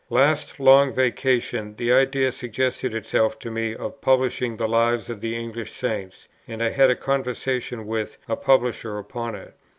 "Last Long Vacation the idea suggested itself to me of publishing the Lives of the English Saints; and I had a conversation with [a publisher] upon it.